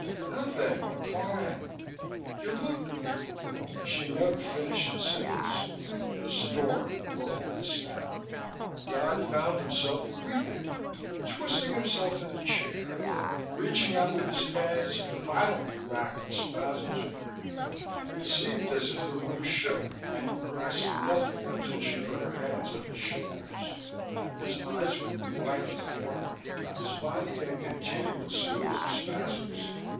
"Nothing. I'm fine." "You look " She never finished the sentence. The storm broke instead. Dodd found himself weeping, twisting himself in the chair; reaching out with his hands, violently racked in spasms of grief: it seemed as if the room shook and he grasped nothing until she put her hands on his shoulders. His eyes were blind with water, his body in a continual series of spasms.